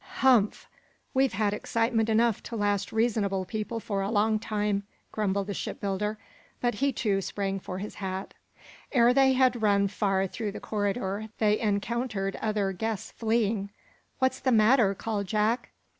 "Humph! We've had excitement enough to last reasonable people for a long time," grumbled the shipbuilder, but he, too, sprang for his hat. Ere they had run far through the corridor they encountered other guests fleeing. "What's the matter?" called Jack.